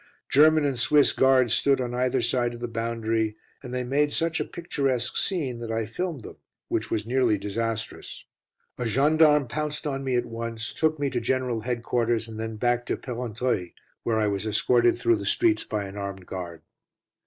German and Swiss guards stood on either side of the boundary, and they made such a picturesque scene that I filmed them, which was nearly disastrous. A gendarme pounced on me at once, took me to general headquarters and then back to Perrontruy, where I was escorted through the streets by an armed guard.